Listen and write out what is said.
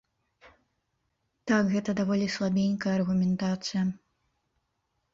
Так, гэта даволі слабенькая аргументацыя.